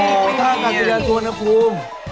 โอ้โฮท่ากัดิรัติสวรรค์นะครู